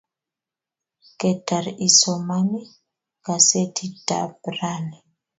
ketar isomani kasetitab raini?